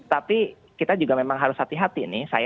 tapi kita juga memang harus hati hati nih